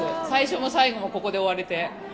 最初も最後もここで終われて。